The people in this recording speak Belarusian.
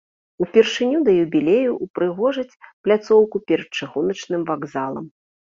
Упершыню да юбілею ўпрыгожаць пляцоўку перад чыгуначным вакзалам.